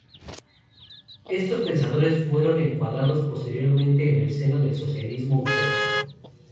Estos pensadores fueron encuadrados posteriormente en el seno del Socialismo utópico.